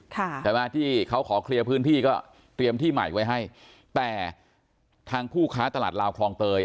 ใช่ไหมที่เขาขอเคลียร์พื้นที่ก็เตรียมที่ใหม่ไว้ให้แต่ทางผู้ค้าตลาดลาวคลองเตย